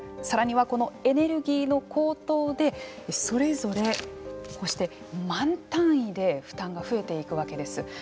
さらにはエネルギーの高騰でそれぞれこうして万単位で負担が増えていくわけです。